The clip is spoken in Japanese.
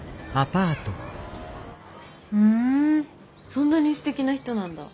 そんなにすてきな人なんだ